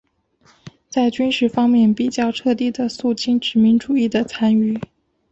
在军事方面比较彻底地肃清殖民主义的残余。